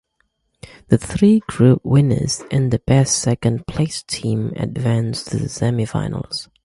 The three group winners and best second-placed team advance to the semifinals.